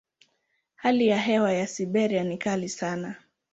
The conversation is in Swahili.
Hali ya hewa ya Siberia ni kali sana.